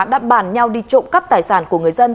đã bàn nhau đi trộm cắp tài sản của người dân